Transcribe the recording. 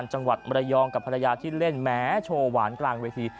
มรยองกับภรรยาที่เล่นแม้โชว์หวานกลางเวที